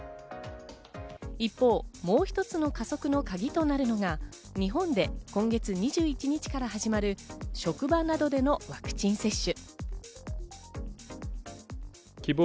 一方、もう一つの加速のカギとなるのが、日本で今月２１日から始まる職場などでのワクチン接種。